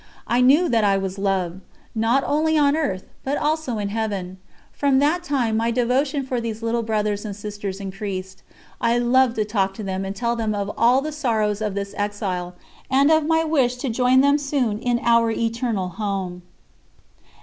I knew that I was loved, not only on earth but also in Heaven. From that time my devotion for these little brothers and sisters increased; I loved to talk to them and tell them of all the sorrows of this exile, and of my wish to join them soon in our Eternal Home.